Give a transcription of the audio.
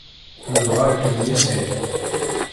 Nebɣa ad kem-nissin.